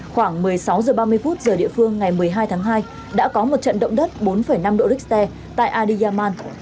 khoảng một mươi sáu h ba mươi giờ địa phương ngày một mươi hai tháng hai đã có một trận động đất bốn năm độ richter tại adiyaman